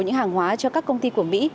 những hàng hóa cho các công ty của mỹ